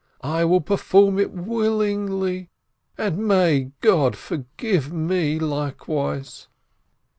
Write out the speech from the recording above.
I will perform it willingly, and may God forgive me likewise